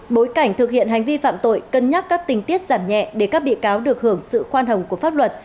bối cảnh thực hiện hành vi phạm tội cân nhắc các tình tiết giảm nhẹ để các bị cáo được hưởng sự khoan hồng của pháp luật